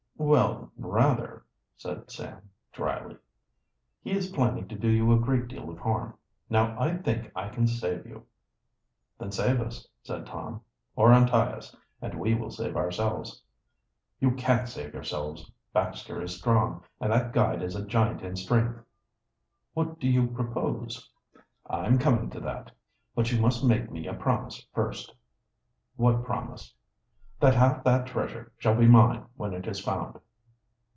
"Well, rather," said Sam dryly. "He is planning to do you a great deal of harm. Now I think I can save you." "Then save us," said Tom. "Or untie us, and we will save ourselves." "You can't save yourselves. Baxter is strong, and that guide is a giant in strength." "What do you propose?" "I'm coming to that. But you must make me a promise first." "What promise?" "That half that treasure shall be mine when it is found."